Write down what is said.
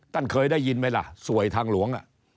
ท่านเคยได้ยินไหมล่ะสวยทางหลวง